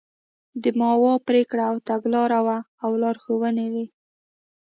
د ماوو پرېکړه او تګلاره وه او لارښوونې وې.